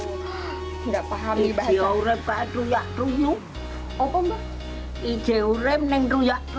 ini jauh ini jauh